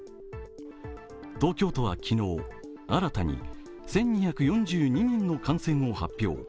東京都は昨日、新たに１２４２人の感染を発表。